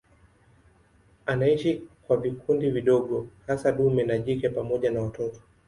Anaishi kwa vikundi vidogo hasa dume na jike pamoja na watoto.